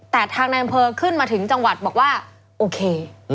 แต่ทางในอำเภอขึ้นมาถึงจังหวัดบอกว่าโอเค